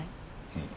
うん。